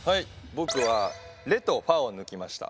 ボクはレとファを抜きました。